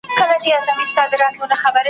خو چي راغلې دې نړۍ ته د جنګونو پراخ میدان ته ,